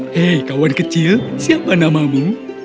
hei kawan kecil siapa namamu